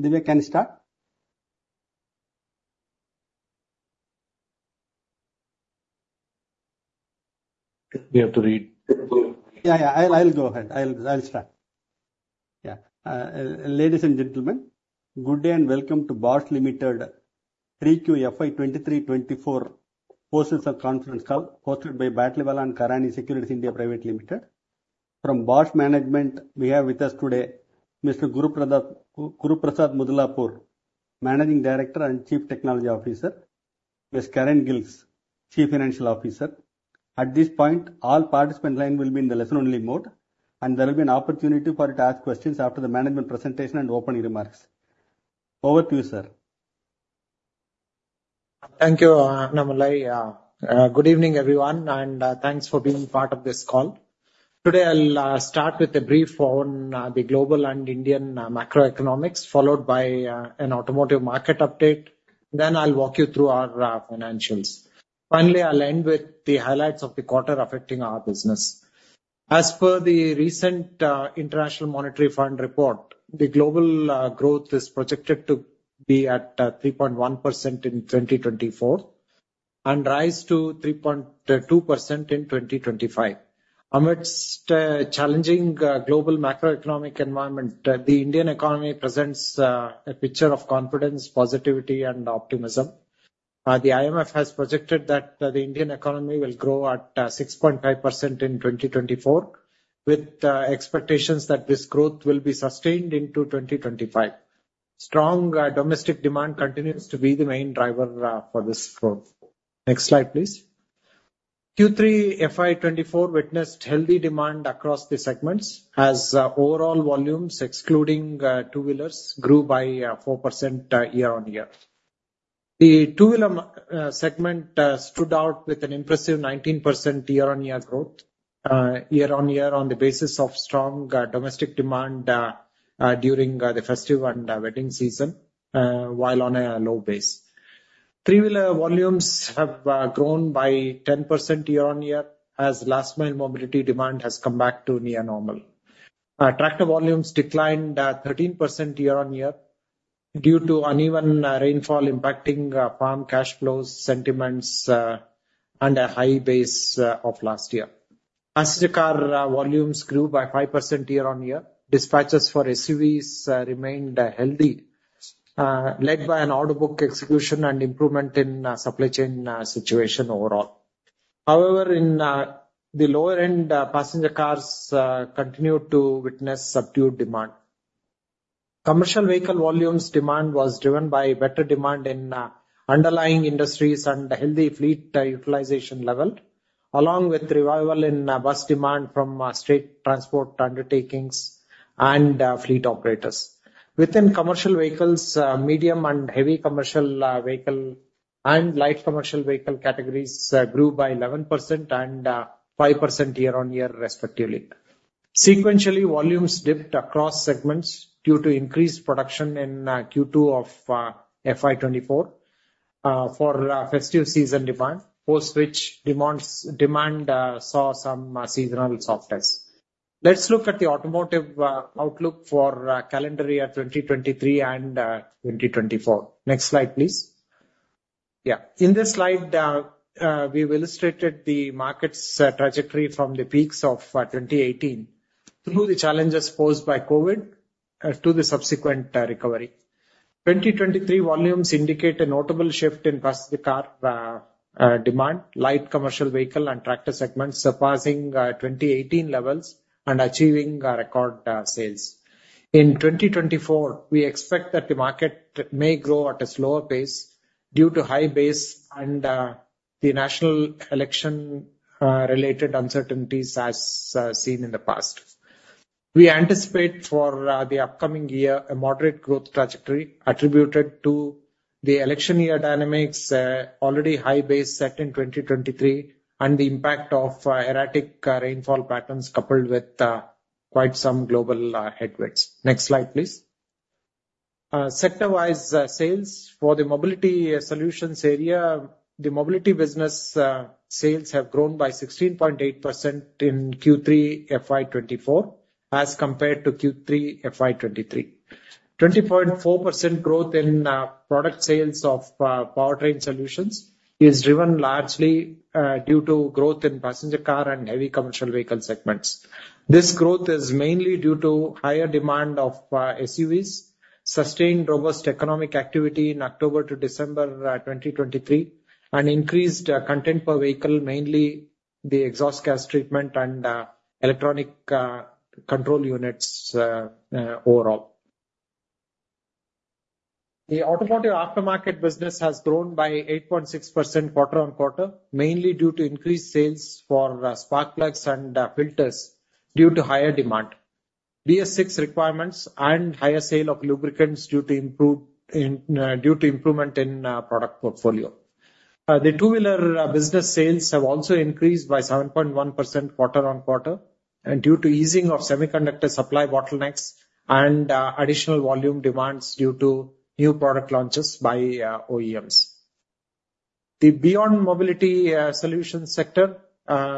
Divya, can you start? We have to read. I'll go ahead. I'll start. Ladies and gentlemen, good day and welcome to the Bosch Limited Q3 FY23-24 post-conference call hosted by Batlivala & Karani Securities India Private Limited. From Bosch management, we have with us today Mr. Guruprasad Mudlapur, Managing Director and Chief Technology Officer; Ms. Karin Gilges, Chief Financial Officer. At this point, all participants will be in listen-only mode, and there will be an opportunity for you to ask questions after the management presentation and opening remarks. Over to you, sir. Thank you, Annamalai. Good evening, everyone, and thanks for being part of this call. Today I'll start with a brief on the global and Indian macroeconomics, followed by an automotive market update, then I'll walk you through our financials. Finally, I'll end with the highlights of the quarter affecting our business. As per the recent International Monetary Fund report, the global growth is projected to be at 3.1% in 2024 and rise to 3.2% in 2025. Amidst a challenging global macroeconomic environment, the Indian economy presents a picture of confidence, positivity, and optimism. The IMF has projected that the Indian economy will grow at 6.5% in 2024, with expectations that this growth will be sustained into 2025. Strong domestic demand continues to be the main driver for this growth. Next slide, please. Q3 FY24 witnessed healthy demand across the segments as overall volumes, excluding two-wheelers, grew by 4% year-on-year. The two-wheeler segment stood out with an impressive 19% year-on-year growth year on year on the basis of strong domestic demand during the festive and wedding season, while on a low base. Three-wheeler volumes have grown by 10% year-on-year as last-mile mobility demand has come back to near normal. Tractor volumes declined 13% year-on-year due to uneven rainfall impacting farm cash flows, sentiments, and a high base of last year. Passenger car volumes grew by 5% year-on-year. Dispatches for SUVs remained healthy, led by an order book execution and improvement in supply chain situation overall. However, in the lower-end, passenger cars continued to witness subdued demand. Commercial vehicle volumes demand was driven by better demand in underlying industries and healthy fleet utilization level, along with revival in bus demand from state transport undertakings and fleet operators. Within commercial vehicles, medium and heavy commercial vehicle, and light commercial vehicle categories grew by 11% and 5% year-on-year, respectively. Sequentially, volumes dipped across segments due to increased production in Q2 of FY 24 for festive season demand, after which demand saw some seasonal softness. Let's look at the automotive outlook for calendar year 2023 and 2024. Next slide, please. Yeah. In this slide, we've illustrated the market's trajectory from the peaks of 2018 through the challenges posed by COVID to the subsequent recovery. 2023 volumes indicate a notable shift in passenger car demand, light commercial vehicle, and tractor segments, surpassing 2018 levels and achieving record sales. In 2024, we expect that the market may grow at a slower pace due to high base and the national election-related uncertainties as seen in the past. We anticipate for the upcoming year a moderate growth trajectory attributed to the election year dynamics, already high base set in 2023, and the impact of erratic rainfall patterns coupled with quite some global headwinds. Next slide, please. Sector-wise sales, for the mobility solutions area, the mobility business sales have grown by 16.8% in Q3 FY24 as compared to Q3 FY23. 20.4% growth in product sales of powertrain solutions is driven largely due to growth in passenger car and heavy commercial vehicle segments. This growth is mainly due to higher demand of SUVs, sustained robust economic activity in October to December 2023, and increased content per vehicle, mainly the exhaust gas treatment and electronic control units overall. The automotive aftermarket business has grown by 8.6% quarter-over-quarter, mainly due to increased sales for spark plugs and filters due to higher demand, BS6 requirements, and higher sale of lubricants due to improvement in product portfolio. The two-wheeler business sales have also increased by 7.1% quarter-over-quarter due to easing of semiconductor supply bottlenecks and additional volume demands due to new product launches by OEMs. The beyond-mobility solutions sector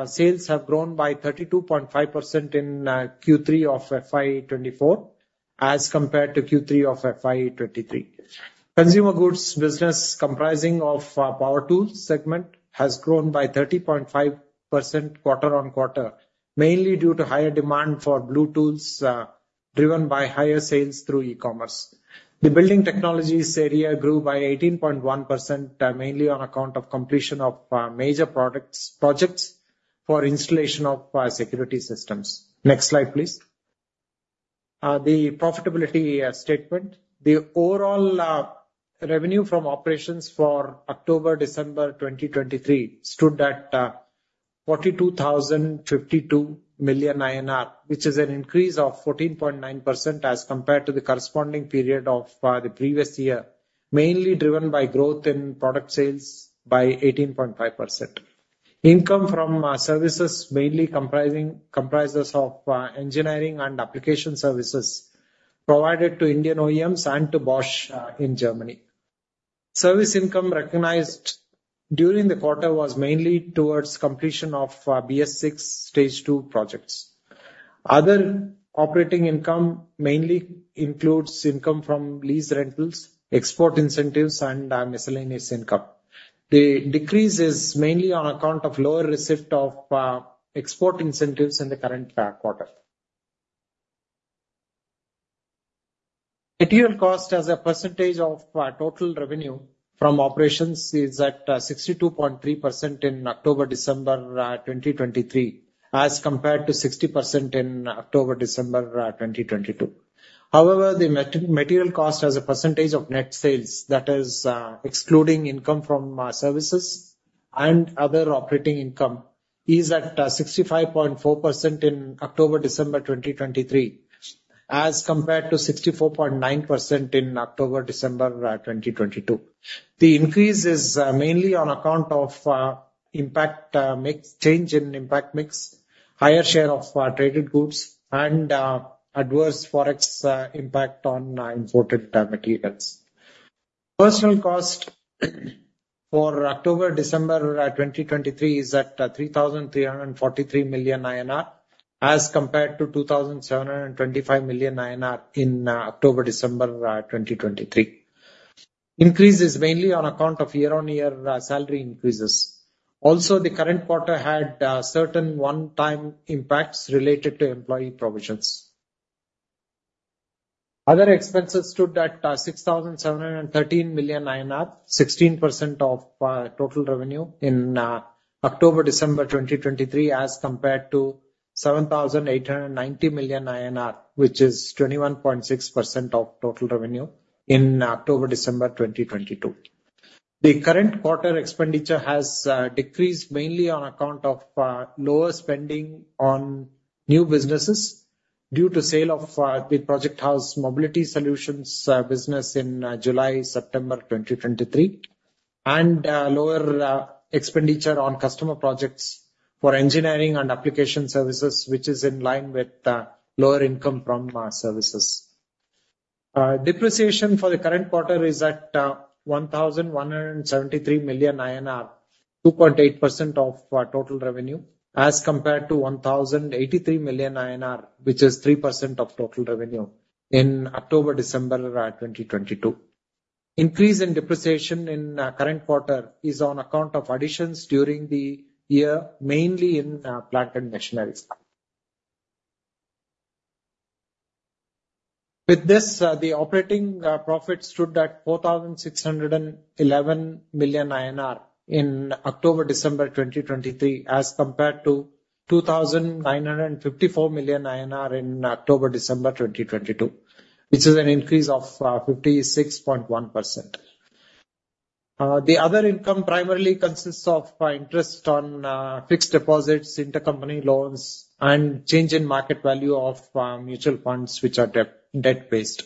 sales have grown by 32.5% in Q3 of FY 24 as compared to Q3 of FY 23. Consumer goods business, comprising of power tools segment, has grown by 30.5% quarter-over-quarter, mainly due to higher demand for Blue tools driven by higher sales through e-commerce. The building technologies area grew by 18.1%, mainly on account of completion of major projects for installation of security systems. Next slide, please. The profitability statement, the overall revenue from operations for October-December 2023 stood at 42,052 million INR, which is an increase of 14.9% as compared to the corresponding period of the previous year, mainly driven by growth in product sales by 18.5%. Income from services, mainly comprising engineering and application services, provided to Indian OEMs and to Bosch in Germany. Service income recognized during the quarter was mainly towards completion of BS6 Stage II projects. Other operating income mainly includes income from lease rentals, export incentives, and miscellaneous income. The decrease is mainly on account of lower receipt of export incentives in the current quarter. Material cost as a percentage of total revenue from operations is at 62.3% in October-December 2023 as compared to 60% in October-December 2022. However, the material cost as a percentage of net sales, that is excluding income from services and other operating income, is at 65.4% in October-December 2023 as compared to 64.9% in October-December 2022. The increase is mainly on account of change in impact mix, higher share of traded goods, and adverse forex impact on imported materials. Personnel cost for October-December 2023 is at 3,343 million INR as compared to 2,725 million INR in October-December 2022. Increase is mainly on account of year-on-year salary increases. Also, the current quarter had certain one-time impacts related to employee provisions. Other expenses stood at 6,713 million INR, 16% of total revenue in October-December 2023 as compared to 7,890 million INR, which is 21.6% of total revenue in October-December 2022. The current quarter expenditure has decreased mainly on account of lower spending on new businesses due to sale of the Project House Mobility Solutions business in July-September 2023, and lower expenditure on customer projects for engineering and application services, which is in line with lower income from services. Depreciation for the current quarter is at 1,173 million, 2.8% of total revenue as compared to 1,083 million INR, which is 3% of total revenue in October-December 2022. Increase in depreciation in current quarter is on account of additions during the year, mainly in plant and machinery. With this, the operating profit stood at 4,611 million INR in October-December 2023 as compared to 2,954 million INR in October-December 2022, which is an increase of 56.1%. The other income primarily consists of interest on fixed deposits, intercompany loans, and change in market value of mutual funds, which are debt-based.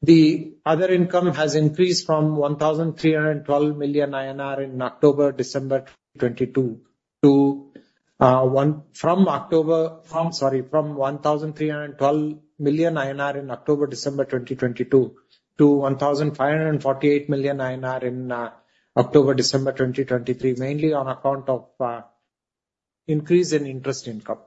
The other income has increased from 1,312 million INR in October-December 2022 to 1,548 million INR in October-December 2023, mainly on account of increase in interest income.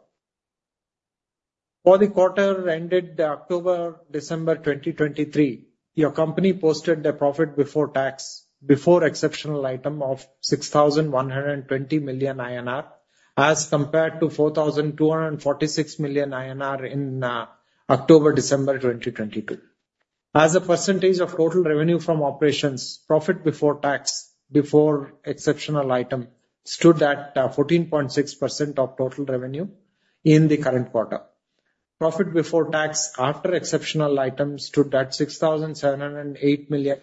For the quarter ended October-December 2023, your company posted the profit before tax, before exceptional item, of 6,120 million INR as compared to 4,246 million INR in October-December 2022. As a percentage of total revenue from operations, profit before tax, before exceptional item, stood at 14.6% of total revenue in the current quarter. Profit before tax after exceptional item stood at 6,708 million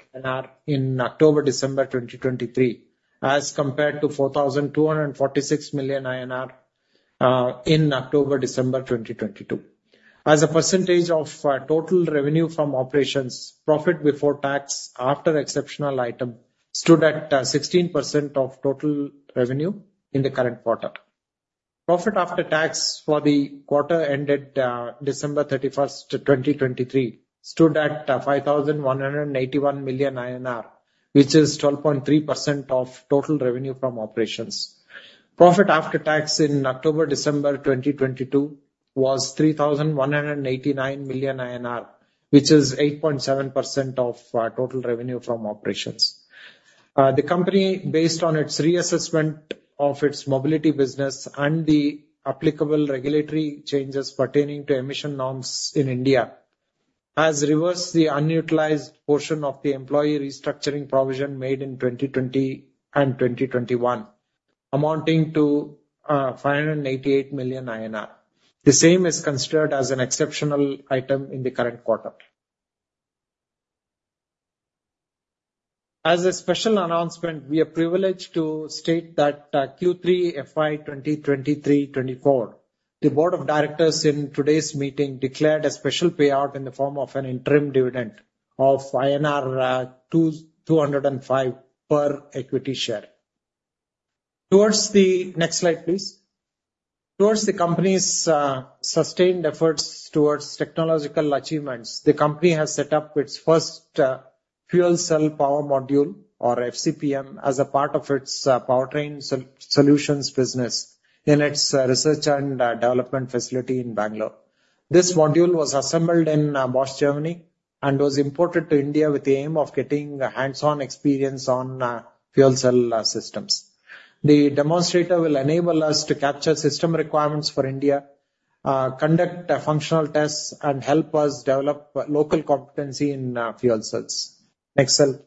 in October-December 2023 as compared to 4,246 million in October-December 2022. As a percentage of total revenue from operations, profit before tax after exceptional item stood at 16% of total revenue in the current quarter. Profit after tax for the quarter ended December 31st, 2023, stood at 5,181 million INR, which is 12.3% of total revenue from operations. Profit after tax in October-December 2022 was 3,189 million INR, which is 8.7% of total revenue from operations. The company, based on its reassessment of its mobility business and the applicable regulatory changes pertaining to emission norms in India, has reversed the unutilized portion of the employee restructuring provision made in 2020 and 2021, amounting to 588 million INR. The same is considered as an exceptional item in the current quarter. As a special announcement, we have the privilege to state that in Q3 FY 2023-24, the board of directors in today's meeting declared a special payout in the form of an interim dividend of INR 205 per equity share. Towards the next slide, please. Towards the company's sustained efforts towards technological achievements, the company has set up its first fuel cell power module, or FCPM, as a part of its powertrain solutions business in its research and development facility in Bangalore. This module was assembled in Bosch, Germany, and was imported to India with the aim of getting hands-on experience on fuel cell systems. The demonstrator will enable us to capture system requirements for India, conduct functional tests, and help us develop local competency in fuel cells. Next slide.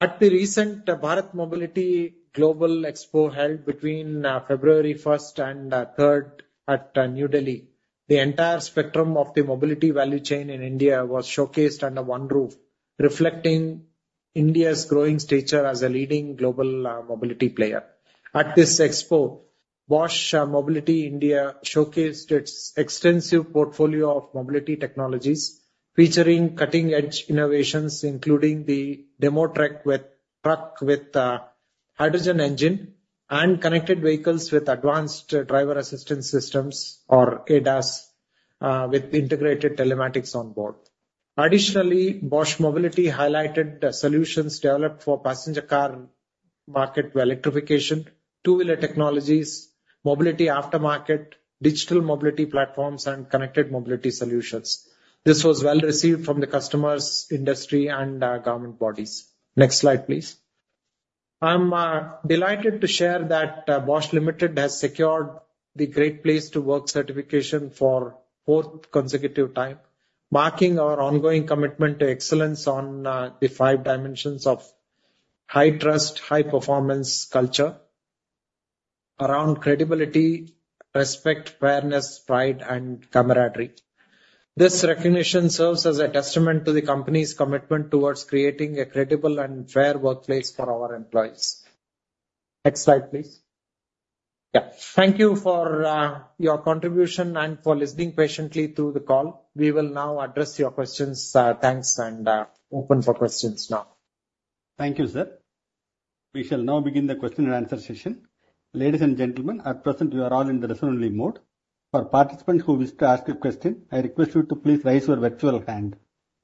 At the recent Bharat Mobility Global Expo held between February 1st and 3rd at New Delhi, the entire spectrum of the mobility value chain in India was showcased under one roof, reflecting India's growing stature as a leading global mobility player. At this expo, Bosch Mobility India showcased its extensive portfolio of mobility technologies, featuring cutting-edge innovations, including the demo truck with hydrogen engine and connected vehicles with advanced driver assistance systems, or ADAS, with integrated telematics on board. Additionally, Bosch Mobility highlighted solutions developed for passenger car market electrification, two-wheeler technologies, mobility aftermarket, digital mobility platforms, and connected mobility solutions. This was well received from the customers, industry, and government bodies. Next slide, please. I'm delighted to share that Bosch Limited has secured the Great Place to Work certification for fourth consecutive time, marking our ongoing commitment to excellence on the five dimensions of high trust, high performance culture around credibility, respect, fairness, pride, and camaraderie. This recognition serves as a testament to the company's commitment towards creating a credible and fair workplace for our employees. Next slide, please. Yeah. Thank you for your contribution and for listening patiently through the call. We will now address your questions. Thanks, and open for questions now. Thank you, sir. We shall now begin the question and answer session. Ladies and gentlemen, at present, you are all in the listen-only mode. For participants who wish to ask a question, I request you to please raise your virtual hand.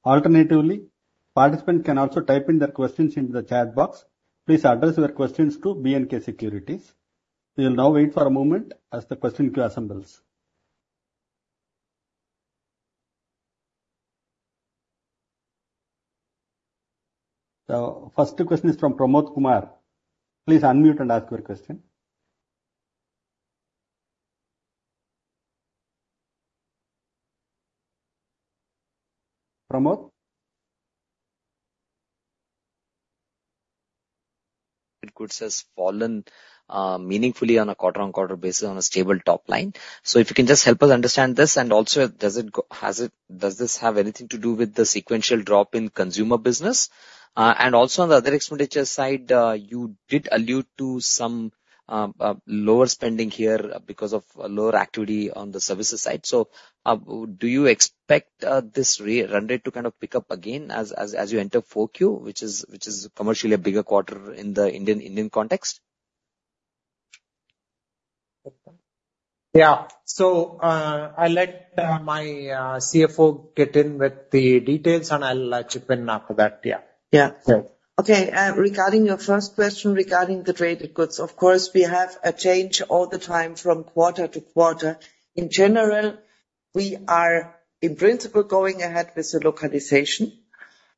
Alternatively, participants can also type in their questions into the chat box. Please address your questions to B&K Securities. We will now wait for a moment as the question queue assembles. The first question is from Pramod Kumar. Please unmute and ask your question. Pramod? Good. Has fallen meaningfully on a quarter-on-quarter basis on a stable top line. So if you can just help us understand this, and also, does it have anything to do with the sequential drop in consumer business? And also on the other expenditure side, you did allude to some lower spending here because of lower activity on the services side. So do you expect this run rate to kind of pick up again as you enter 4Q, which is commercially a bigger quarter in the Indian context? Yeah. So I'll let my CFO get in with the details, and I'll chip in after that. Yeah. Yeah. Okay. Regarding your first question regarding the traded goods, of course, we have a change all the time from quarter to quarter. In general, we are, in principle, going ahead with the localization.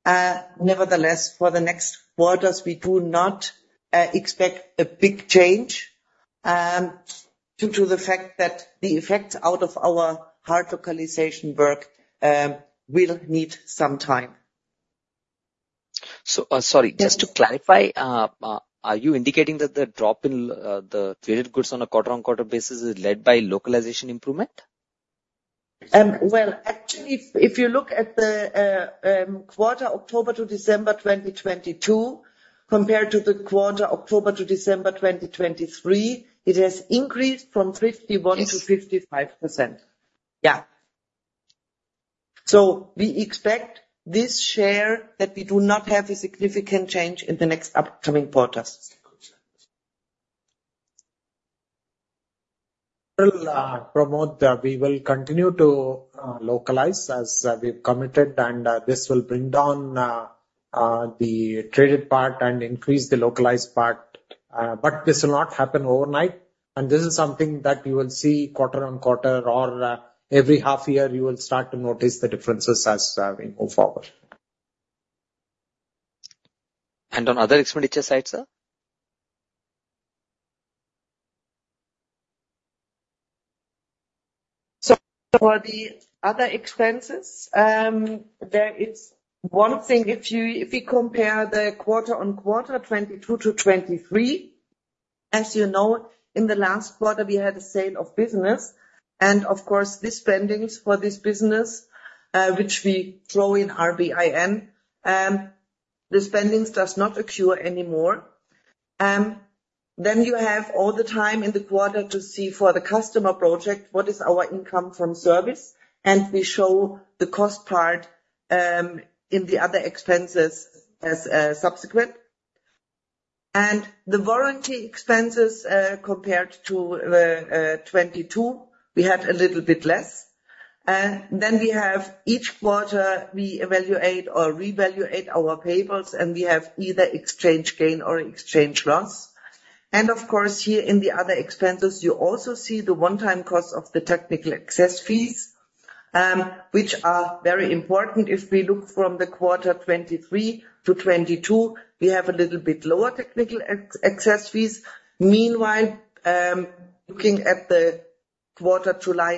Nevertheless, for the next quarters, we do not expect a big change due to the fact that the effects out of our hard localization work will need some time. So sorry, just to clarify, are you indicating that the drop in the traded goods on a quarter-on-quarter basis is led by localization improvement? Well, actually, if you look at the quarter October to December 2022 compared to the quarter October to December 2023, it has increased from 51%-55%. Yeah. So we expect this share that we do not have a significant change in the next upcoming quarters. Well, Pramod, we will continue to localize as we've committed, and this will bring down the traded part and increase the localized part. But this will not happen overnight. This is something that you will see quarter on quarter, or every half year, you will start to notice the differences as we move forward. On other expenditure side, sir? So for the other expenses, there is one thing. If we compare the quarter-over-quarter 2022 to 2023, as you know, in the last quarter, we had a sale of business. And of course, these spendings for this business, which we throw in RBIN, the spendings do not accrue anymore. Then you have all the time in the quarter to see for the customer project what is our income from service, and we show the cost part in the other expenses as subsequent. And the warranty expenses compared to 2022, we had a little bit less. Then each quarter, we evaluate or reevaluate our payables, and we have either exchange gain or exchange loss. And of course, here in the other expenses, you also see the one-time cost of the technical access fees, which are very important. If we look from the quarter 2023 to 2022, we have a little bit lower technical access fees. Meanwhile, looking at the quarter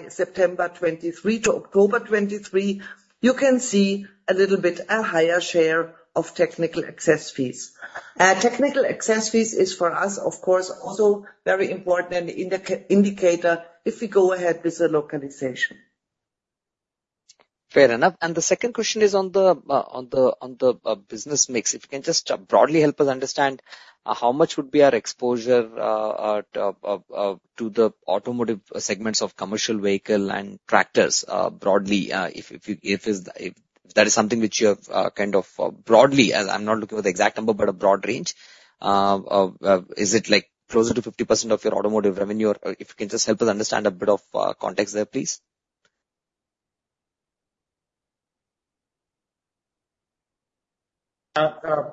September 2023 to October 2023, you can see a little bit a higher share of technical access fees. Technical access fees is for us, of course, also very important and an indicator if we go ahead with the localization. Fair enough. The second question is on the business mix. If you can just broadly help us understand how much would be our exposure to the automotive segments of commercial vehicle and tractors broadly? If that is something which you have kind of broadly, I'm not looking for the exact number, but a broad range—is it closer to 50% of your automotive revenue? Or if you can just help us understand a bit of context there, please.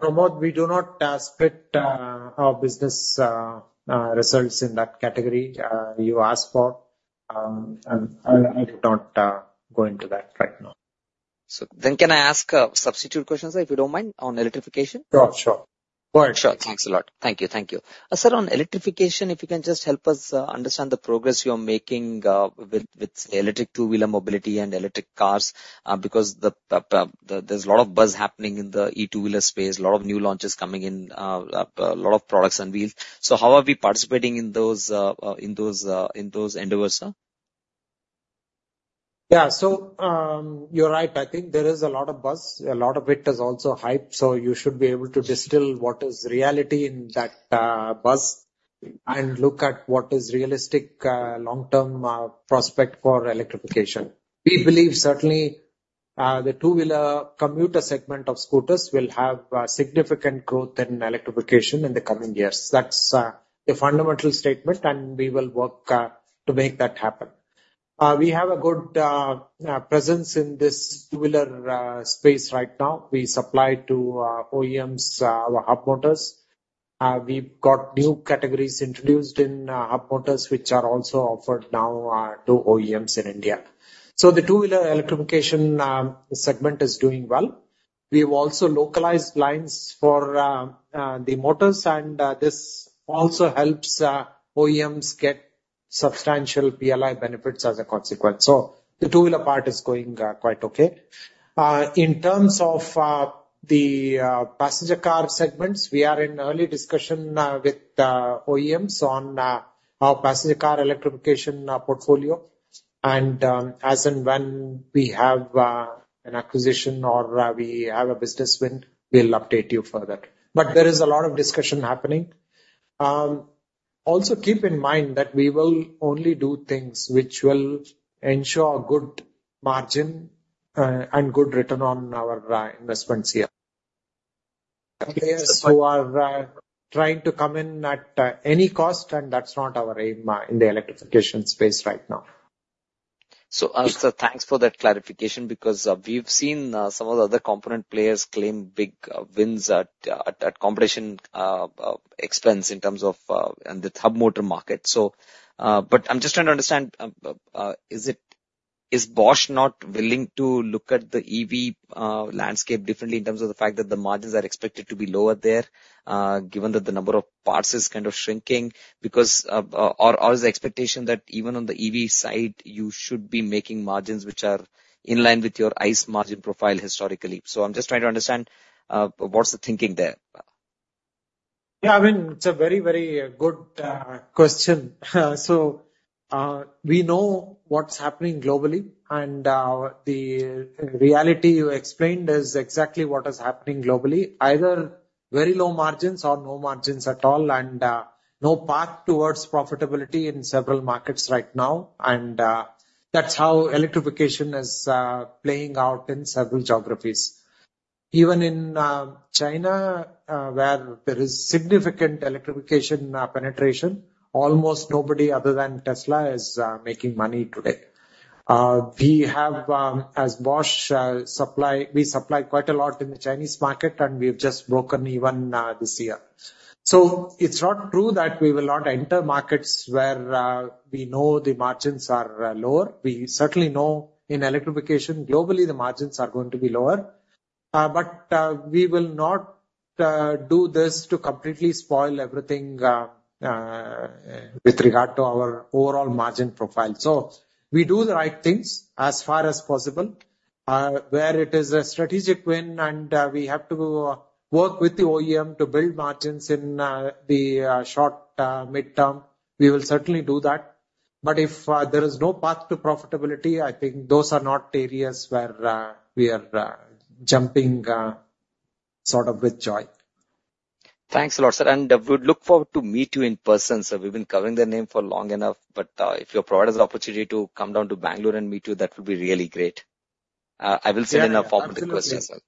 Pramod, we do not split our business results in that category you asked for. I do not go into that right now. Can I ask substitute questions, sir, if you don't mind, on electrification? Sure. Sure. All right. Sure. Thanks a lot. Thank you. Thank you. Sir, on electrification, if you can just help us understand the progress you are making with electric two-wheeler mobility and electric cars because there's a lot of buzz happening in the e-two-wheeler space, a lot of new launches coming in, a lot of products unveiled. So how are we participating in those endeavors, sir? Yeah. So you're right. I think there is a lot of buzz. A lot of it is also hype. So you should be able to distill what is reality in that buzz and look at what is realistic long-term prospect for electrification. We believe, certainly, the two-wheeler commuter segment of scooters will have significant growth in electrification in the coming years. That's a fundamental statement, and we will work to make that happen. We have a good presence in this two-wheeler space right now. We supply to OEMs our hub motors. We've got new categories introduced in hub motors, which are also offered now to OEMs in India. So the two-wheeler electrification segment is doing well. We have also localized lines for the motors, and this also helps OEMs get substantial PLI benefits as a consequence. So the two-wheeler part is going quite okay. In terms of the passenger car segments, we are in early discussion with OEMs on our passenger car electrification portfolio. And as and when we have an acquisition or we have a business win, we'll update you further. But there is a lot of discussion happening. Also, keep in mind that we will only do things which will ensure a good margin and good return on our investments here. Players who are trying to come in at any cost, and that's not our aim in the electrification space right now. So sir, thanks for that clarification because we've seen some of the other component players claim big wins at competition expense in terms of the hub motor market. But I'm just trying to understand, is Bosch not willing to look at the EV landscape differently in terms of the fact that the margins are expected to be lower there given that the number of parts is kind of shrinking? Or is the expectation that even on the EV side, you should be making margins which are in line with your ICE margin profile historically? So I'm just trying to understand what's the thinking there. Yeah. I mean, it's a very, very good question. So we know what's happening globally, and the reality you explained is exactly what is happening globally: either very low margins or no margins at all, and no path towards profitability in several markets right now. And that's how electrification is playing out in several geographies. Even in China, where there is significant electrification penetration, almost nobody other than Tesla is making money today. As Bosch, we supply quite a lot in the Chinese market, and we have just broken even this year. So it's not true that we will not enter markets where we know the margins are lower. We certainly know in electrification, globally, the margins are going to be lower. But we will not do this to completely spoil everything with regard to our overall margin profile. We do the right things as far as possible where it is a strategic win, and we have to work with the OEM to build margins in the short, mid-term. We will certainly do that. But if there is no path to profitability, I think those are not areas where we are jumping sort of with joy. Thanks a lot, sir. We would look forward to meeting you in person, sir. We've been covering the name for long enough. But if you provide us the opportunity to come down to Bangalore and meet you, that would be really great. I will send in a formal request as well.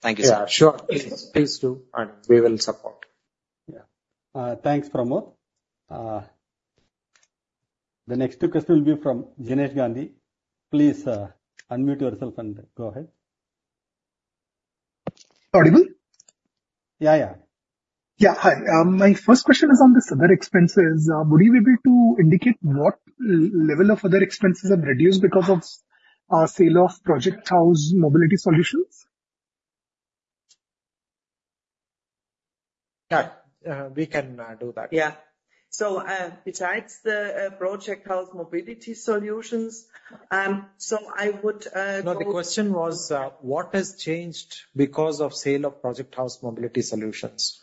Thank you, sir. Yeah. Sure. Please. Please do. And we will support. Yeah. Thanks, Pramod. The next two questions will be from Jinesh Gandhi. Please unmute yourself and go ahead. Audible? Yeah. Yeah. Yeah. Hi. My first question is on these other expenses. Would you be able to indicate what level of other expenses have reduced because of our sale of Project House Mobility Solutions? Yeah. We can do that. Yeah. So besides the Project House Mobility Solutions, so I would. No, the question was, what has changed because of the sale of Project House Mobility Solutions?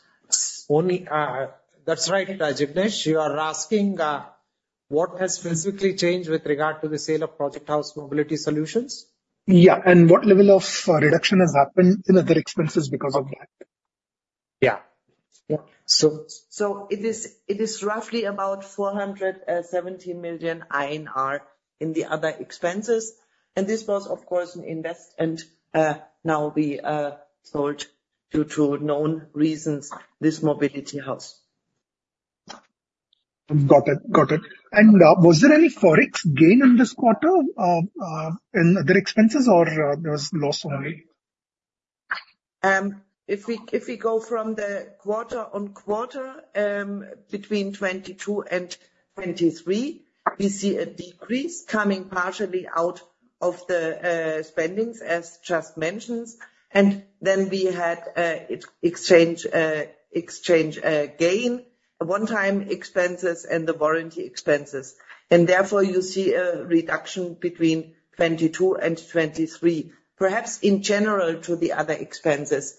That's right, Jinesh. You are asking what has physically changed with regard to the sale of Project House Mobility Solutions? Yeah. And what level of reduction has happened in other expenses because of that? Yeah. It is roughly about 470 million INR in the other expenses. This was, of course, an investment. Now we sold due to known reasons, this mobility house. Got it. Got it. And was there any Forex gain in this quarter in other expenses, or there was loss only? If we go from the quarter-over-quarter between 2022 and 2023, we see a decrease coming partially out of the spendings, as just mentioned. And then we had exchange gain, one-time expenses, and the warranty expenses. And therefore, you see a reduction between 2022 and 2023, perhaps in general to the other expenses.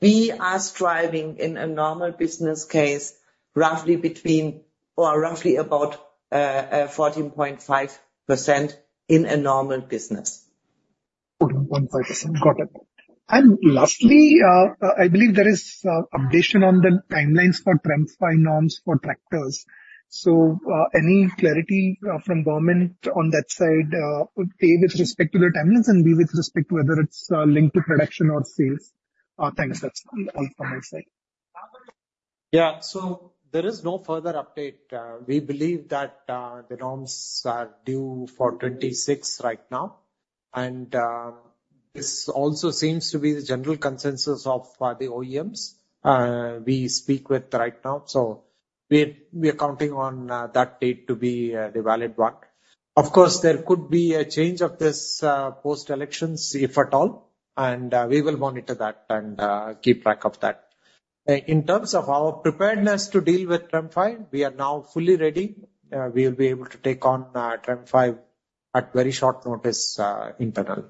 We are striving in a normal business case roughly between or roughly about 14.5% in a normal business. 14.5%. Got it. And lastly, I believe there is an update on the timelines for TREM V norms for tractors. So any clarity from government on that side would pay with respect to the timelines and be with respect to whether it's linked to production or sales. Thanks. That's all from my side. Yeah. So there is no further update. We believe that the norms are due for 2026 right now. And this also seems to be the general consensus of the OEMs we speak with right now. So we are counting on that date to be the valid one. Of course, there could be a change of this post-elections, if at all. And we will monitor that and keep track of that. In terms of our preparedness to deal with TREM V, we are now fully ready. We will be able to take on TREM V at very short notice internally.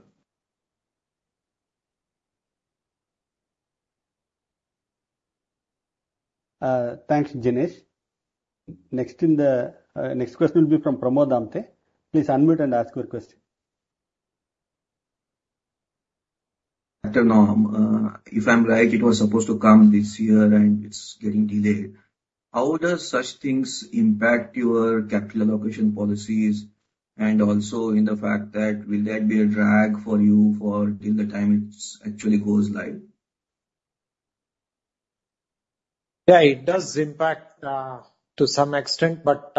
Thanks, Jinesh. Next question will be from Pramod Amte. Please unmute and ask your question. If I'm right, it was supposed to come this year, and it's getting delayed. How does such things impact your capital allocation policies and also in the fact that will that be a drag for you in the time it actually goes live? Yeah. It does impact to some extent. But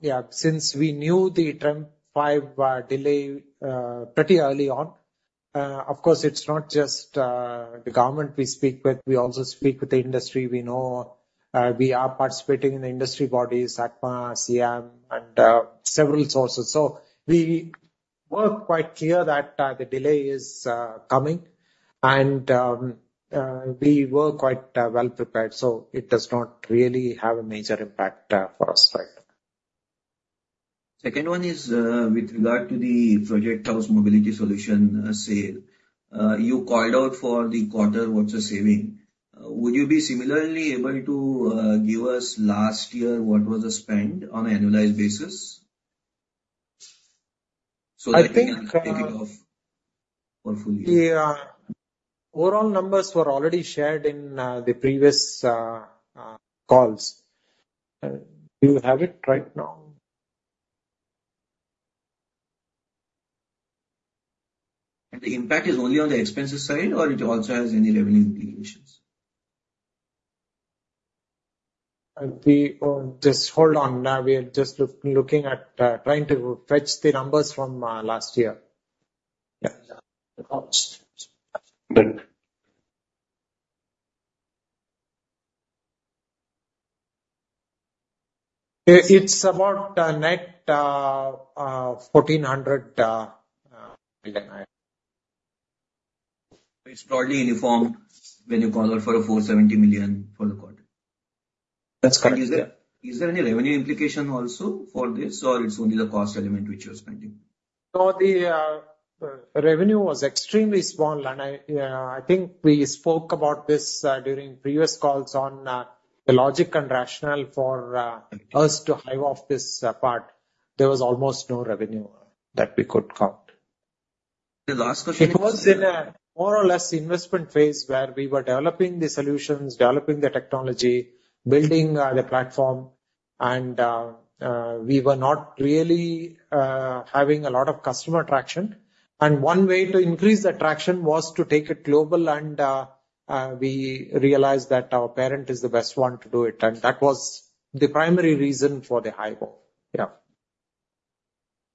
yeah, since we knew the TREM V delay pretty early on, of course, it's not just the government we speak with. We also speak with the industry. We are participating in the industry bodies, ACMA, SIAM, and several sources. So we were quite clear that the delay is coming. And we were quite well-prepared. So it does not really have a major impact for us right now. Second one is with regard to the Project House Mobility Solutions sale. You called out for the quarter worth of saving. Would you be similarly able to give us last year what was the spend on an annualized basis? So that you can think of for full year. The overall numbers were already shared in the previous calls. Do you have it right now? The impact is only on the expenses side, or it also has any revenue implications? Just hold on. Now we are just looking at trying to fetch the numbers from last year. Yeah. The cost. It's about net 1,400 million. It's broadly uniform when you call out for a 470 million for the quarter. That's correct. Is there any revenue implication also for this, or it's only the cost element which you're spending? No, the revenue was extremely small. I think we spoke about this during previous calls on the logic and rationale for us to hive off this part. There was almost no revenue that we could count. The last question is. It was in a more or less investment phase where we were developing the solutions, developing the technology, building the platform. We were not really having a lot of customer traction. One way to increase the traction was to take it global. We realized that our parent is the best one to do it. That was the primary reason for the hive-off. Yeah.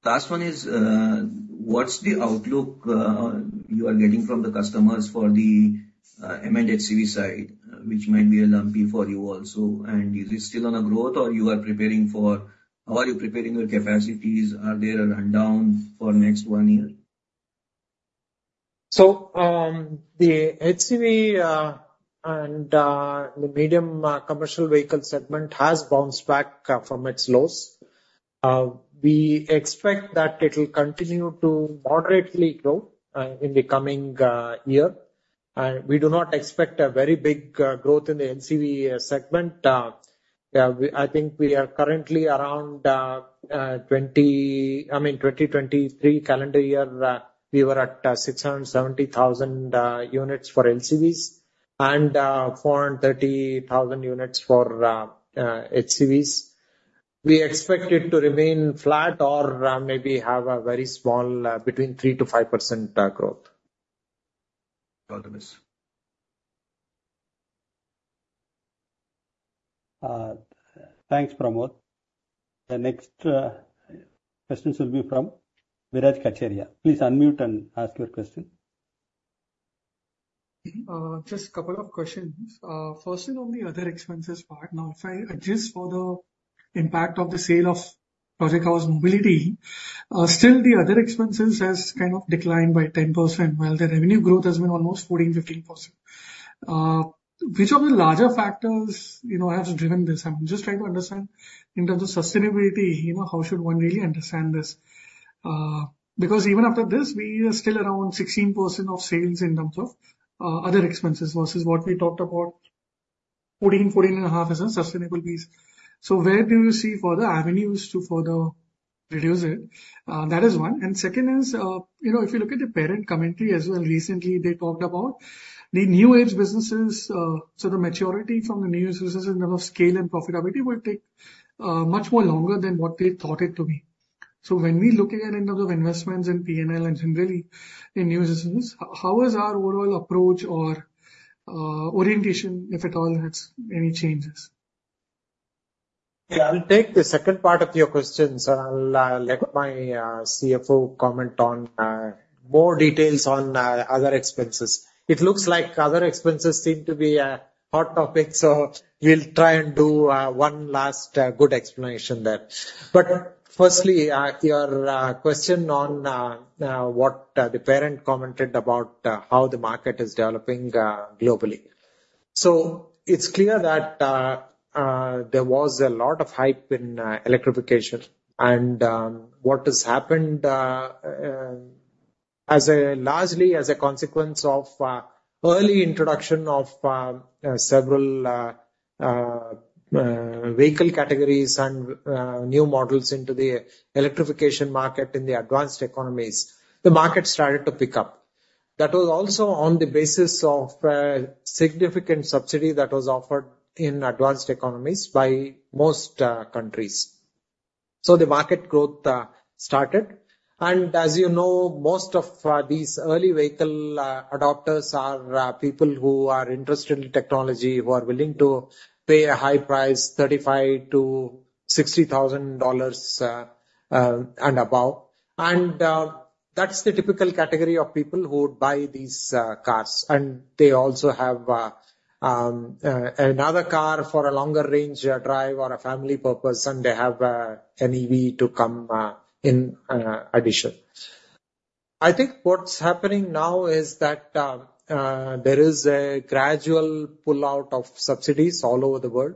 Last one is, what's the outlook you are getting from the customers for the M&HCV side, which might be a lumpy for you also? And is it still on a growth, or are you preparing for, how are you preparing your capacities? Is there a rundown for next one year? So the HCV and the medium commercial vehicle segment has bounced back from its lows. We expect that it will continue to moderately grow in the coming year. And we do not expect a very big growth in the LCV segment. I think we are currently around I mean, 2023 calendar year, we were at 670,000 units for LCVs and 430,000 units for HCVs. We expect it to remain flat or maybe have a very small between 3%-5% growth. Thanks, Pramod. The next questions will be from Viraj Kacheria. Please unmute and ask your question. Just a couple of questions. Firstly, on the other expenses part, now if I adjust for the impact of the sale of Project House Mobility, still the other expenses have kind of declined by 10% while the revenue growth has been almost 14%-15%. Which of the larger factors has driven this? I'm just trying to understand in terms of sustainability, how should one really understand this? Because even after this, we are still around 16% of sales in terms of other expenses versus what we talked about, 14%-14.5% as a sustainable piece. So where do you see further avenues to further reduce it? That is one. And second is, if you look at the parent commentary as well, recently, they talked about the new age businesses. So the maturity from the new businesses in terms of scale and profitability will take much more longer than what they thought it to be. When we look again in terms of investments in P&L and generally in new businesses, how is our overall approach or orientation, if at all, has any changes? Yeah. I'll take the second part of your questions, and I'll let my CFO comment on more details on other expenses. It looks like other expenses seem to be a hot topic. So we'll try and do one last good explanation there. But firstly, your question on what the parent commented about how the market is developing globally. So it's clear that there was a lot of hype in electrification. And what has happened largely as a consequence of early introduction of several vehicle categories and new models into the electrification market in the advanced economies, the market started to pick up. That was also on the basis of significant subsidy that was offered in advanced economies by most countries. So the market growth started. As you know, most of these early vehicle adopters are people who are interested in technology, who are willing to pay a high price, $35,000-$60,000 and above. That's the typical category of people who would buy these cars. They also have another car for a longer range drive or a family purpose, and they have an EV to come in addition. I think what's happening now is that there is a gradual pullout of subsidies all over the world.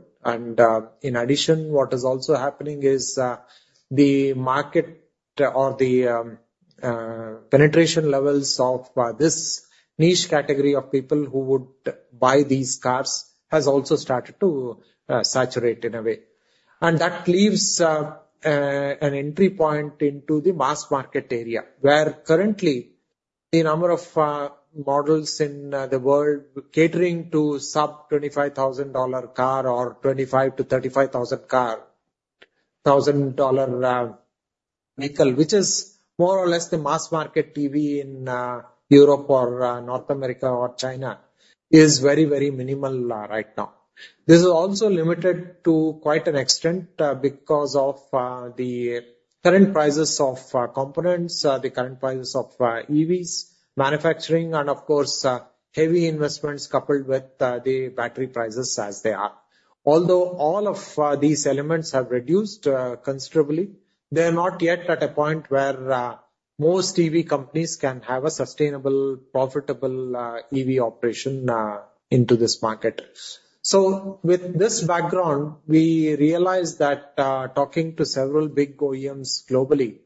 In addition, what is also happening is the market or the penetration levels of this niche category of people who would buy these cars has also started to saturate in a way. That leaves an entry point into the mass market area where currently, the number of models in the world catering to sub-$25,000 car or $25,000-$35,000 vehicle, which is more or less the mass market EV in Europe or North America or China, is very, very minimal right now. This is also limited to quite an extent because of the current prices of components, the current prices of EV manufacturing, and of course, heavy investments coupled with the battery prices as they are. Although all of these elements have reduced considerably, they are not yet at a point where most EV companies can have a sustainable, profitable EV operation into this market. So with this background, we realized that talking to several big OEMs globally,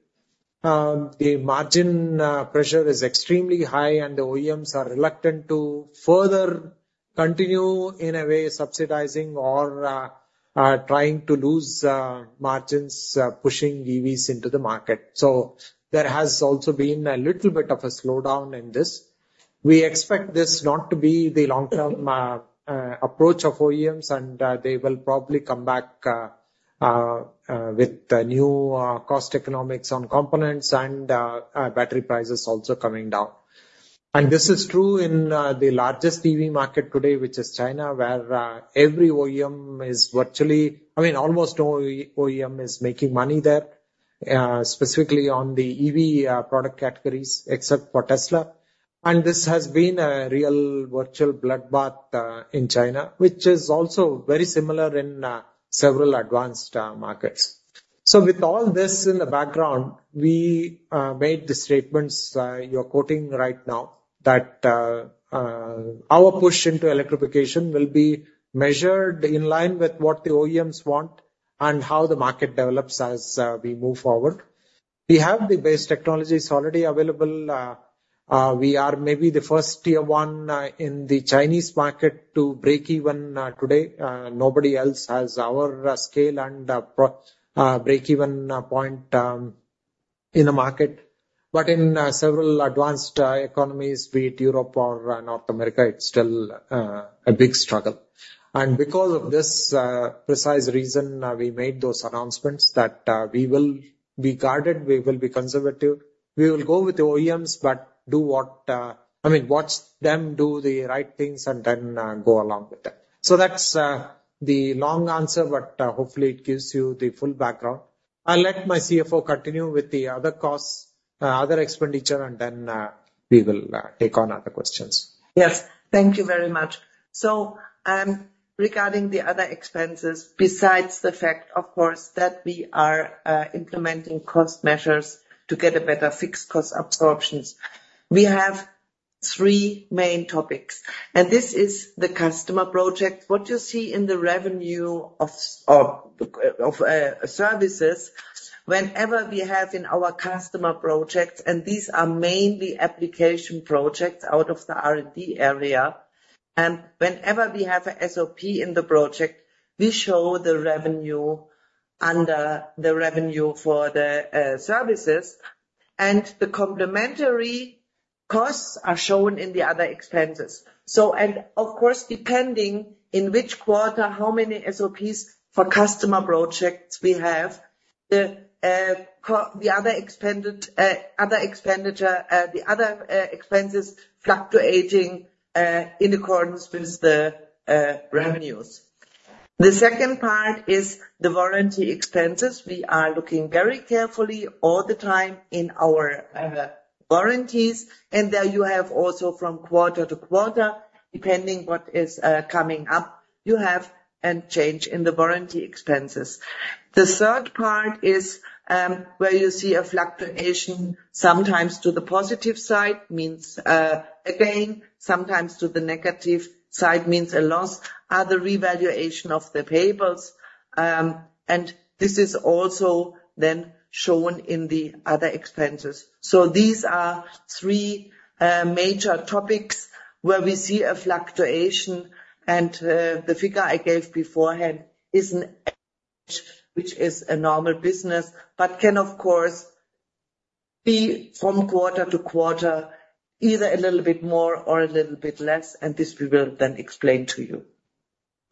the margin pressure is extremely high, and the OEMs are reluctant to further continue in a way subsidizing or trying to lose margins pushing EVs into the market. So there has also been a little bit of a slowdown in this. We expect this not to be the long-term approach of OEMs, and they will probably come back with new cost economics on components and battery prices also coming down. And this is true in the largest EV market today, which is China, where every OEM is virtually I mean, almost no OEM is making money there, specifically on the EV product categories except for Tesla. And this has been a real virtual bloodbath in China, which is also very similar in several advanced markets. So with all this in the background, we made the statements you're quoting right now that our push into electrification will be measured in line with what the OEMs want and how the market develops as we move forward. We have the base technologies already available. We are maybe the first tier one in the Chinese market to break even today. Nobody else has our scale and break-even point in the market. But in several advanced economies, be it Europe or North America, it's still a big struggle. And because of this precise reason, we made those announcements that we will be guarded, we will be conservative, we will go with the OEMs, but I mean, watch them do the right things and then go along with it. So that's the long answer, but hopefully, it gives you the full background. I'll let my CFO continue with the other costs, other expenditure, and then we will take on other questions. Yes. Thank you very much. So regarding the other expenses, besides the fact, of course, that we are implementing cost measures to get a better fixed cost absorptions, we have three main topics. And this is the customer project. What you see in the revenue of services, whenever we have in our customer projects, and these are mainly application projects out of the R&D area, and whenever we have an SOP in the project, we show the revenue under the revenue for the services. And the complementary costs are shown in the other expenses. And of course, depending on which quarter, how many SOPs for customer projects we have, the other expenditure, the other expenses fluctuating in accordance with the revenues. The second part is the warranty expenses. We are looking very carefully all the time in our warranties. There you have also from quarter to quarter, depending on what is coming up, you have a change in the warranty expenses. The third part is where you see a fluctuation sometimes to the positive side, means a gain, sometimes to the negative side, means a loss, are the revaluation of the payables. This is also then shown in the other expenses. These are three major topics where we see a fluctuation. The figure I gave beforehand is an average, which is a normal business, but can, of course, be from quarter to quarter, either a little bit more or a little bit less. This we will then explain to you.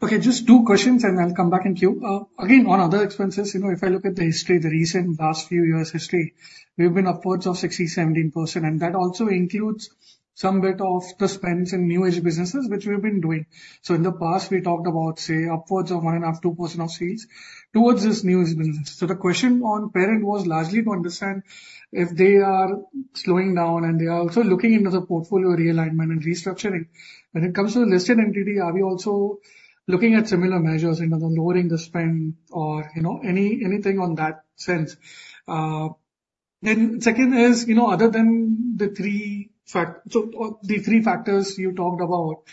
Okay. Just two questions, and I'll come back and queue. Again, on other expenses, if I look at the history, the recent last few years' history, we've been upwards of 6-17%. And that also includes some bit of the spends in new-age businesses, which we've been doing. So in the past, we talked about, say, upwards of 1.5-2% of sales towards this new-age business. So the question on parent was largely to understand if they are slowing down and they are also looking into the portfolio realignment and restructuring. When it comes to the listed entity, are we also looking at similar measures in terms of lowering the spend or anything on that sense? Second is, other than the three factors you talked about,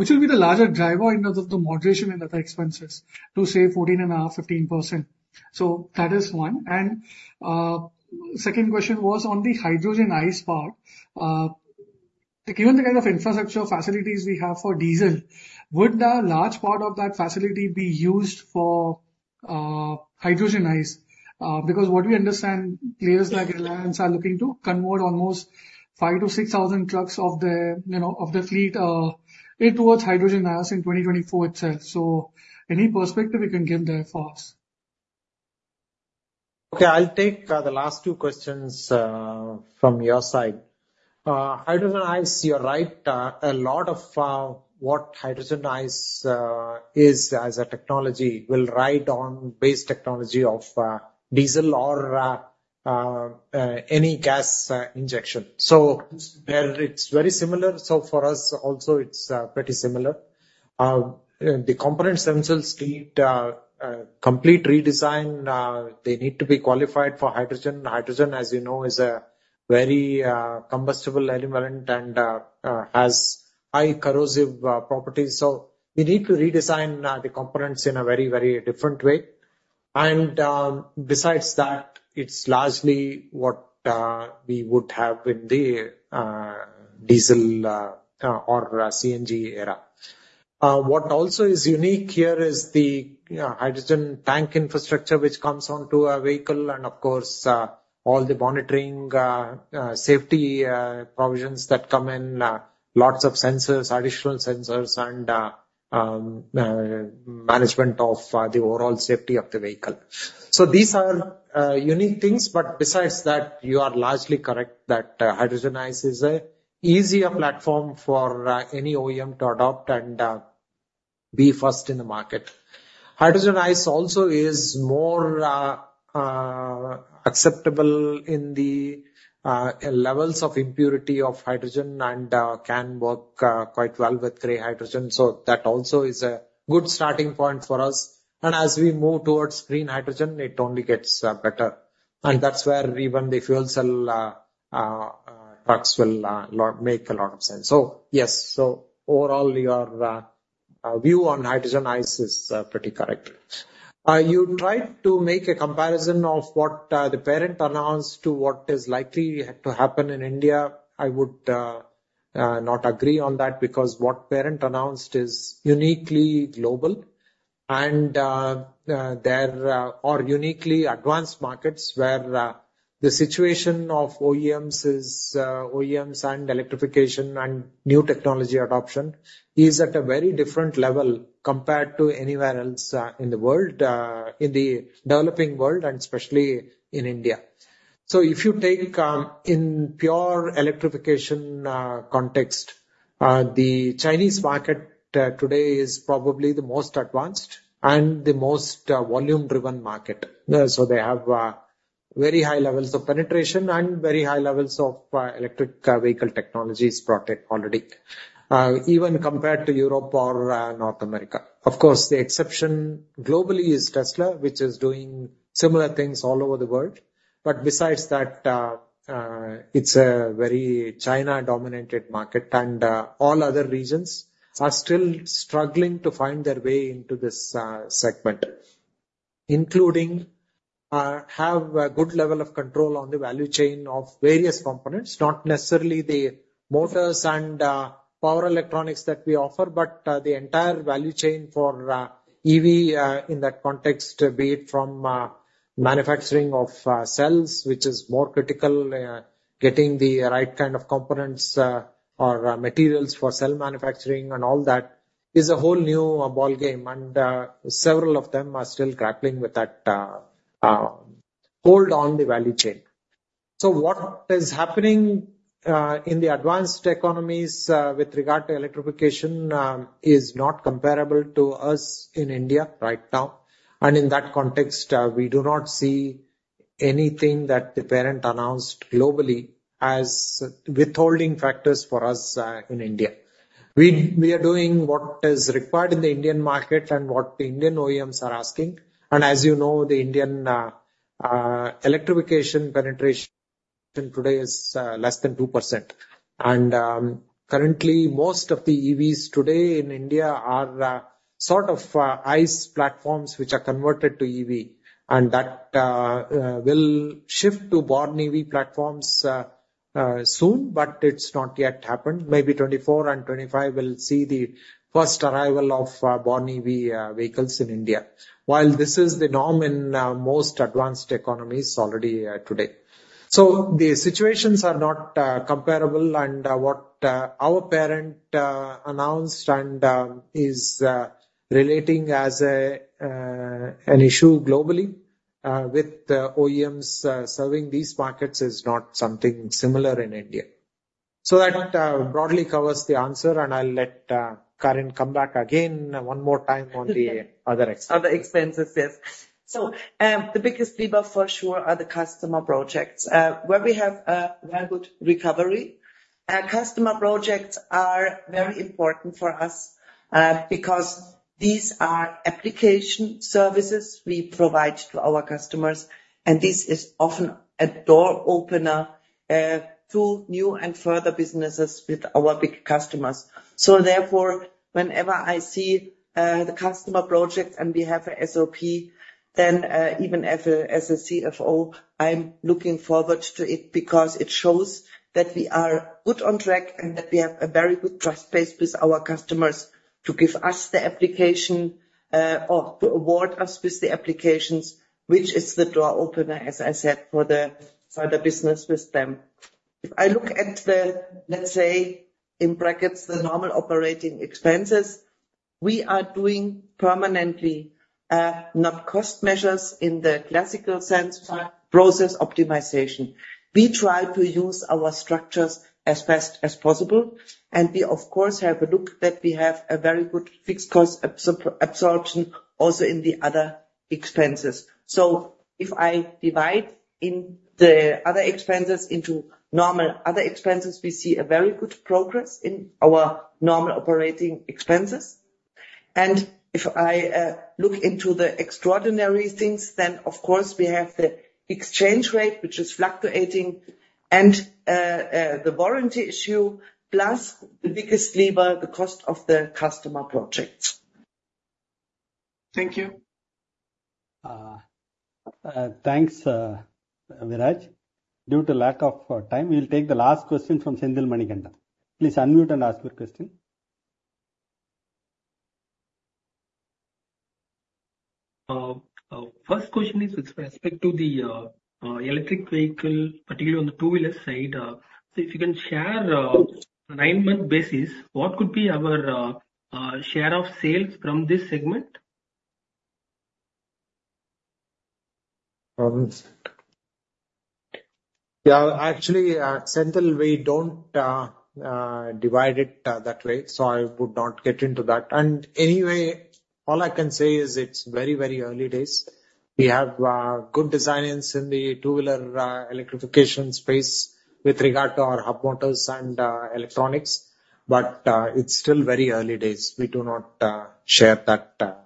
which will be the larger driver in terms of the moderation in other expenses to, say, 14.5%-15%? So that is one. And second question was on the hydrogen ICE part. Given the kind of infrastructure facilities we have for diesel, would the large part of that facility be used for hydrogen ICE? Because what we understand, players like Reliance are looking to convert almost 5,000-6,000 trucks of their fleet towards hydrogen ICE in 2024 itself. So any perspective you can give there for us? Okay. I'll take the last two questions from your side. Hydrogen ICE, you're right, a lot of what hydrogen ICE is as a technology will ride on base technology of diesel or any gas injection. So it's very similar. So for us also, it's pretty similar. The components themselves need complete redesign. They need to be qualified for hydrogen. Hydrogen, as you know, is a very combustible element and has high corrosive properties. So we need to redesign the components in a very, very different way. And besides that, it's largely what we would have in the diesel or CNG era. What also is unique here is the hydrogen tank infrastructure, which comes onto a vehicle, and of course, all the monitoring safety provisions that come in, lots of sensors, additional sensors, and management of the overall safety of the vehicle. So these are unique things. But besides that, you are largely correct that hydrogen ICE is an easier platform for any OEM to adopt and be first in the market. hydrogen ICE also is more acceptable in the levels of impurity of hydrogen and can work quite well with gray hydrogen. So that also is a good starting point for us. And as we move towards green hydrogen, it only gets better. And that's where even the fuel cell trucks will make a lot of sense. So yes. So overall, your view on hydrogen ICE is pretty correct. You tried to make a comparison of what the parent announced to what is likely to happen in India. I would not agree on that because what parent announced is uniquely global or uniquely advanced markets where the situation of OEMs and electrification and new technology adoption is at a very different level compared to anywhere else in the world, in the developing world, and especially in India. If you take in pure electrification context, the Chinese market today is probably the most advanced and the most volume-driven market. They have very high levels of penetration and very high levels of electric vehicle technologies already, even compared to Europe or North America. Of course, the exception globally is Tesla, which is doing similar things all over the world. But besides that, it's a very China-dominated market, and all other regions are still struggling to find their way into this segment, including have a good level of control on the value chain of various components, not necessarily the motors and power electronics that we offer, but the entire value chain for EV in that context, be it from manufacturing of cells, which is more critical, getting the right kind of components or materials for cell manufacturing and all that, is a whole new ballgame. Several of them are still grappling with that hold on the value chain. What is happening in the advanced economies with regard to electrification is not comparable to us in India right now. In that context, we do not see anything that the parent announced globally as withholding factors for us in India. We are doing what is required in the Indian market and what the Indian OEMs are asking. And as you know, the Indian electrification penetration today is less than 2%. And currently, most of the EVs today in India are sort of ICE platforms, which are converted to EV. And that will shift to born EV platforms soon, but it's not yet happened. Maybe 2024 and 2025 will see the first arrival of born EV vehicles in India, while this is the norm in most advanced economies already today. So the situations are not comparable. And what our parent announced and is relating as an issue globally with OEMs serving these markets is not something similar in India. So that broadly covers the answer. And I'll let Karin come back again one more time on the other expenses. Other expenses, yes. So the biggest bang for sure are the customer projects where we have very good recovery. Customer projects are very important for us because these are application services we provide to our customers. And this is often a door opener to new and further businesses with our big customers. So therefore, whenever I see the customer project and we have an SOP, then even as a CFO, I'm looking forward to it because it shows that we are good on track and that we have a very good trust base with our customers to give us the application or to award us with the applications, which is the door opener, as I said, for the further business with them. If I look at the, let's say, in brackets, the normal operating expenses, we are doing permanently, not cost measures in the classical sense: process optimization. We try to use our structures as fast as possible. We, of course, have a look that we have a very good fixed cost absorption also in the other expenses. If I divide the other expenses into normal other expenses, we see a very good progress in our normal operating expenses. If I look into the extraordinary things, then, of course, we have the exchange rate, which is fluctuating, and the warranty issue, plus the biggest lever, the cost of the customer projects. Thank you. Thanks, Viraj. Due to lack of time, we'll take the last question from Senthil Manikandan. Please unmute and ask your question. First question is with respect to the electric vehicle, particularly on the two-wheeler side. So if you can share on a 9-month basis, what could be our share of sales from this segment? Yeah. Actually, Senthil, we don't divide it that way. So I would not get into that. And anyway, all I can say is it's very, very early days. We have good designs in the two-wheeler electrification space with regard to our hub motors and electronics. But it's still very early days. We do not share that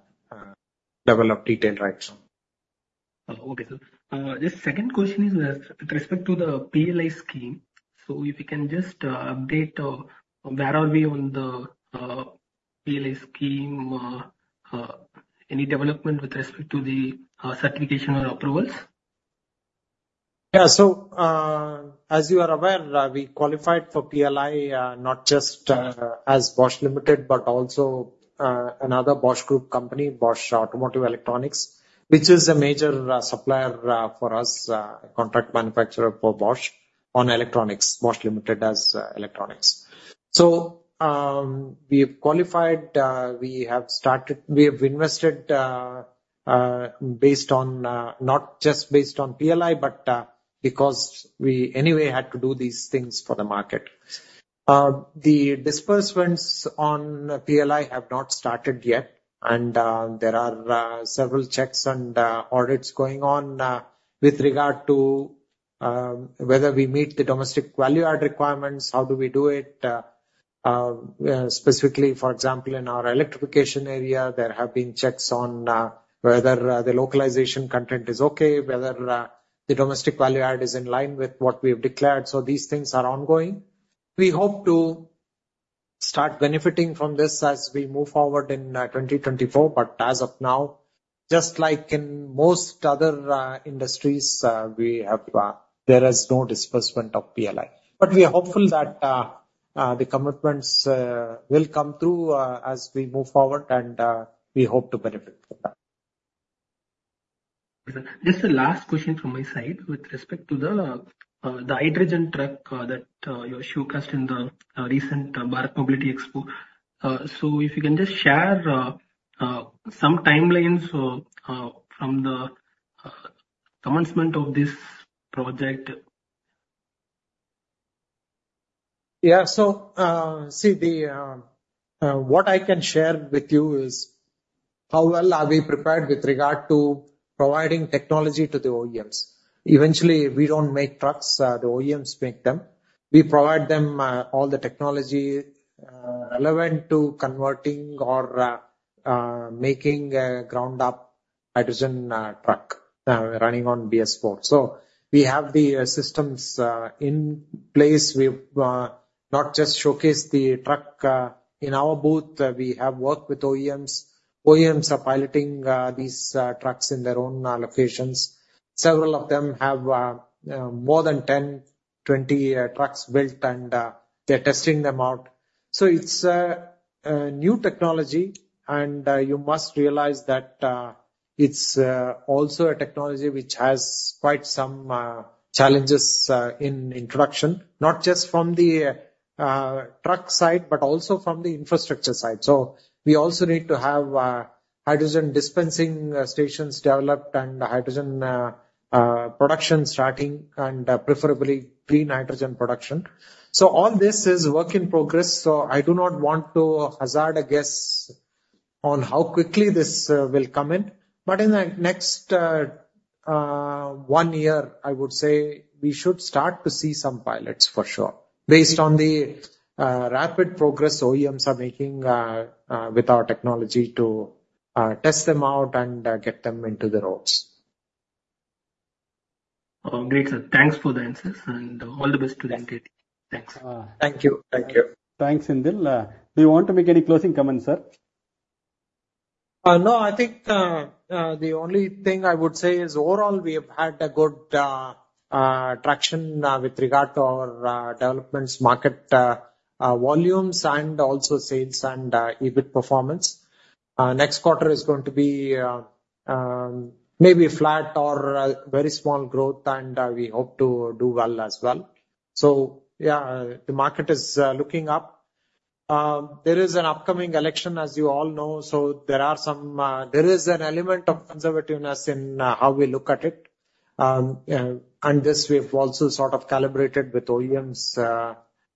level of detail right now. Okay. So the second question is with respect to the PLI scheme. So if you can just update, where are we on the PLI scheme, any development with respect to the certification or approvals? Yeah. So as you are aware, we qualified for PLI not just as Bosch Limited, but also another Bosch Group company, Bosch Automotive Electronics, which is a major supplier for us, contract manufacturer for Bosch on electronics, Bosch Limited as electronics. So we have qualified. We have invested based on not just based on PLI, but because we anyway had to do these things for the market. The disbursements on PLI have not started yet. And there are several checks and audits going on with regard to whether we meet the domestic value-add requirements. How do we do it? Specifically, for example, in our electrification area, there have been checks on whether the localization content is okay, whether the domestic value-add is in line with what we have declared. So these things are ongoing. We hope to start benefiting from this as we move forward in 2024. As of now, just like in most other industries, there is no disbursement of PLI. We are hopeful that the commitments will come through as we move forward. We hope to benefit from that. Just the last question from my side with respect to the hydrogen truck that you showcased in the recent Bharat Mobility Expo. So if you can just share some timelines from the commencement of this project. Yeah. So see, what I can share with you is how well are we prepared with regard to providing technology to the OEMs? Eventually, we don't make trucks. The OEMs make them. We provide them all the technology relevant to converting or making a ground-up hydrogen truck running on BS4. So we have the systems in place. We not just showcase the truck in our booth. We have worked with OEMs. OEMs are piloting these trucks in their own locations. Several of them have more than 10, 20 trucks built, and they're testing them out. So it's a new technology. You must realize that it's also a technology which has quite some challenges in introduction, not just from the truck side, but also from the infrastructure side. So we also need to have hydrogen dispensing stations developed and hydrogen production starting, and preferably green hydrogen production. All this is work in progress. I do not want to hazard a guess on how quickly this will come in. In the next one year, I would say we should start to see some pilots for sure based on the rapid progress OEMs are making with our technology to test them out and get them into the roads. Great, sir. Thanks for the answers. All the best to the entity. Thanks. Thank you. Thank you. Thanks, Senthil. Do you want to make any closing comments, sir? No. I think the only thing I would say is overall, we have had a good traction with regard to our developments, market volumes, and also sales and EBIT performance. Next quarter is going to be maybe flat or very small growth. And we hope to do well as well. So yeah, the market is looking up. There is an upcoming election, as you all know. So there is an element of conservativeness in how we look at it. And this, we have also sort of calibrated with OEMs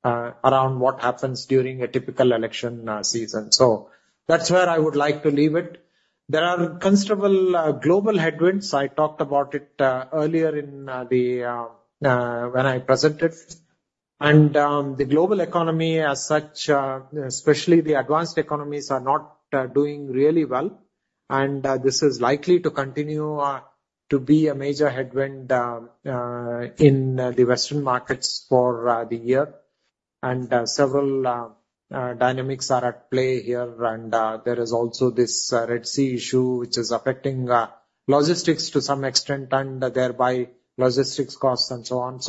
around what happens during a typical election season. So that's where I would like to leave it. There are considerable global headwinds. I talked about it earlier when I presented. And the global economy as such, especially the advanced economies, are not doing really well. This is likely to continue to be a major headwind in the Western markets for the year. Several dynamics are at play here. There is also this Red Sea issue, which is affecting logistics to some extent and thereby logistics costs and so on.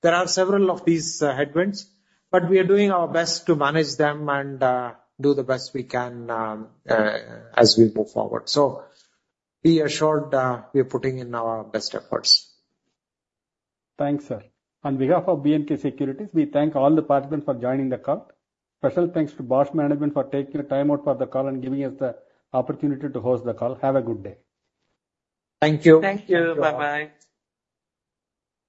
There are several of these headwinds. But we are doing our best to manage them and do the best we can as we move forward. Be assured, we are putting in our best efforts. Thanks, sir. On behalf of BNK Securities, we thank all departments for joining the call. Special thanks to Bosch Management for taking the time out for the call and giving us the opportunity to host the call. Have a good day. Thank you. Thank you. Bye-bye.